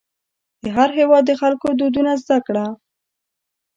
د هر هېواد د خلکو دودونه زده کړه.